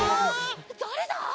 だれだ！？